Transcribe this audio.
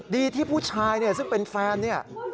ดีที่ผู้ชายเนี่ยซึ่งเป็นแฟนเนี่ย